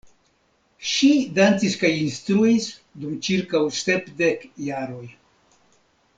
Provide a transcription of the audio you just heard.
Ŝi dancis kaj instruis dum ĉirkaŭ sepdek jaroj.